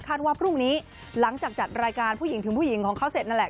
ว่าพรุ่งนี้หลังจากจัดรายการผู้หญิงถึงผู้หญิงของเขาเสร็จนั่นแหละ